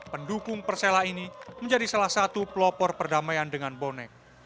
pendukung persela ini menjadi salah satu pelopor perdamaian dengan bonek